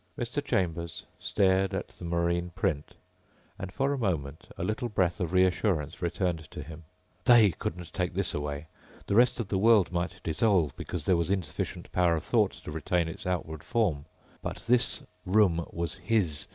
Mr. Chambers stared at the marine print and for a moment a little breath of reassurance returned to him. They couldn't take this away. The rest of the world might dissolve because there was insufficient power of thought to retain its outward form. But this room was his.